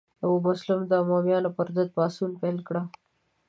ابو مسلم د امویانو پر ضد پاڅون پیل کړ.